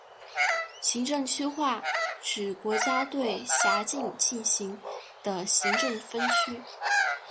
行政区划指国家对辖境进行的行政分区。